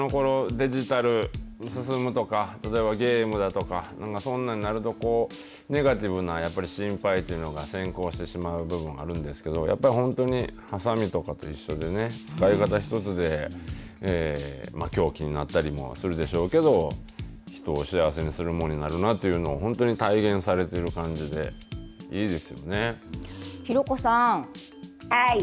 デジタル進むとかゲームだとかそんなんなるとネガティブな心配というのが先行してしまう部分もあるんですけどはさみとかと一緒で使い方一つで凶器になったりもするでしょうけど人を幸せにするものにもなるなというのを体現されている感じでひろこさん。